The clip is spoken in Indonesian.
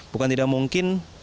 bukan tidak mungkin